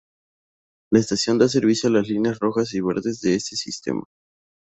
La estación da servicio a las líneas rojas y verdes de ese sistema.